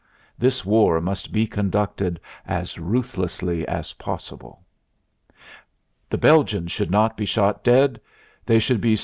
This war must be conducted as ruthlessly as possible. "The Belgians should not be shot dead. They should be